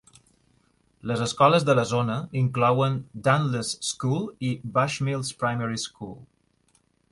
Les escoles de la zona inclouen Dunluce School i Bushmills Primary School.